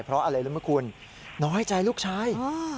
เพราะอะไรรู้ไหมคุณน้อยใจลูกชาย